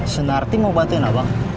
senarty mau bantuin abang